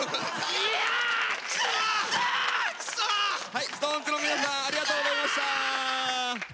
はいＳｉｘＴＯＮＥＳの皆さんありがとうございました！